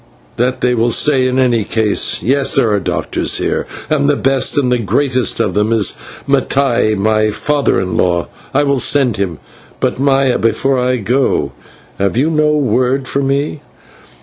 That they will say in any case. Yes, there are doctors here, and the best and greatest of them is Mattai, my father in law. I will send him. But, Maya, before I go, have you no word for me?"